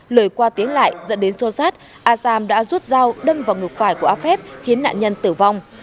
lời qua tiếng lại dẫn đến sâu sát asam đã rút dao đâm vào ngực phải của a phép khiến nạn nhân tử vong